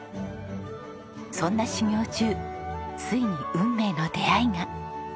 そんな修業中ついに運命の出会いが。